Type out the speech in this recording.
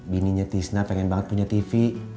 bininya tisna pengen banget punya tv